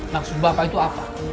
maksud bapak itu apa